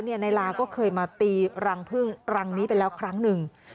นายลาก็เคยมาตีรังพึ่งรังนี้ไปแล้วครั้งหนึ่ง